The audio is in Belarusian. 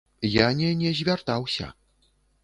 Я не не звяртаўся.